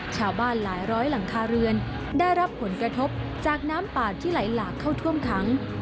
ชาวบ้านหลายร้อยหลังคาเรือนได้รับผลกระทบจากน้ำป่าที่ไหลหลากเข้าท่วมขัง